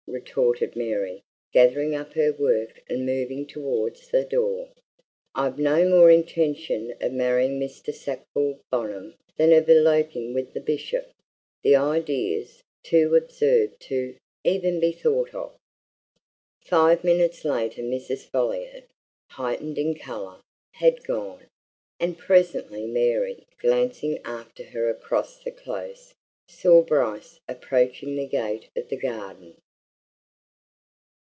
retorted Mary, gathering up her work and moving towards the door. "I've no more intention of marrying Mr. Sackville Bonham than of eloping with the Bishop! The idea's too absurd to even be thought of!" Five minutes later Mrs. Folliot, heightened in colour, had gone. And presently Mary, glancing after her across the Close, saw Bryce approaching the gate of the garden.